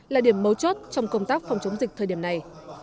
là điểm mấu chốt trong công tác phòng chống dịch thời điểm này